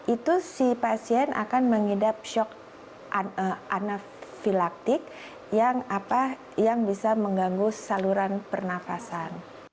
itu si pasien akan mengidap shock anafilaktik yang bisa mengganggu saluran pernafasan